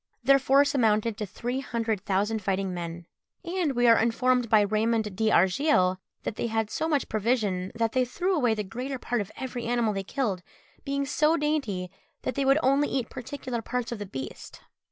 Their force amounted to three hundred thousand fighting men; and we are informed by Raymond d'Argilles, that they had so much provision, that they threw away the greater part of every animal they killed, being so dainty, that they would only eat particular parts of the beast.